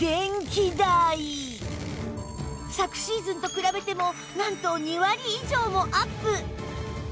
昨シーズンと比べてもなんと２割以上もアップ！